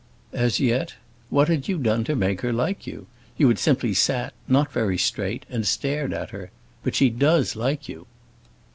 As yet, what had you done to make her like you? You had simply sat—not very straight—and stared at her. But she does like you."